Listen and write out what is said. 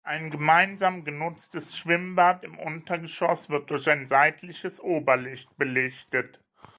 Ein gemeinsam genutztes Schwimmbad im Untergeschoss wird durch ein seitliches Oberlicht belichtet.